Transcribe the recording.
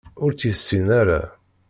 Ur tt-yessin ara